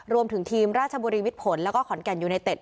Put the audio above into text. รวมถึงทีมราชบุรีมิดผลแล้วก็ขอนแก่นยูไนเต็ด